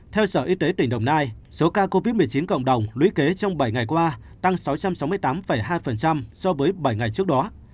theo sở y tế tỉnh đồng nai số ca covid một mươi chín cộng đồng lũy kế trong bảy ngày qua tăng sáu trăm sáu mươi tám hai so với bảy ngày trước đó